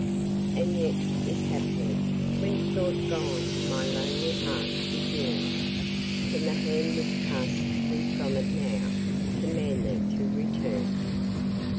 And yet, if haply, when thou'rt gone my lonely heart should yearn, Can the hand which casts thee from it now, command thee to return?